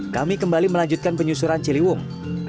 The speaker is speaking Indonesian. kami kembali melanjutkan penyusuran ciliwung